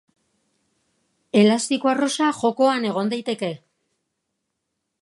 Elastiko arrosa jokoan egon daiteke.